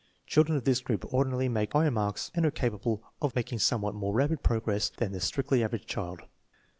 Children of this group ordinarily make higher marks and are capable of making somewhat more rapid progress than the strictly average child.